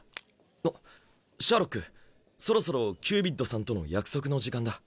あっシャーロックそろそろキュービッドさんとの約束の時間だ。